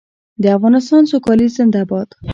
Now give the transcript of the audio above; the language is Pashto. د افغانستان سوکالي زنده باد.